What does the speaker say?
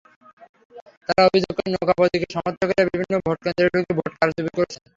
তাঁরা অভিযোগ করেন, নৌকা প্রতীকের সমর্থকেরা বিভিন্ন ভোটকেন্দ্রে ঢুকে ভোট কারচুপি করছেন।